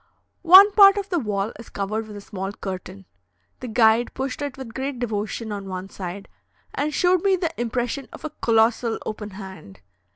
One part of the wall is covered with a small curtain. The guide pushed it with great devotion on one side, and showed me the impression of a colossal open hand.